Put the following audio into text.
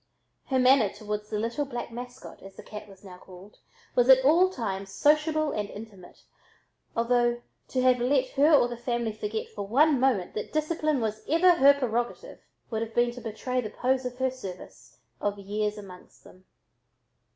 Her manner toward the "little black mascot," as the cat was now called, was at all times sociable and intimate, although to have let her or the family forget for one moment that discipline was her prerogative, would have been to betray the pose of her service of years among them.